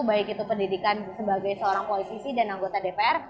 baik itu pendidikan sebagai seorang polisi dan anggota dpr